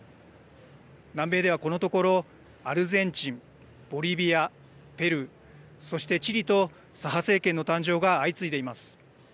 南米では、このところアルゼンチン、ボリビアペルー、そしてチリと左派政権の誕生が相次いでいます。